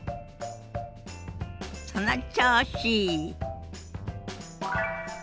その調子！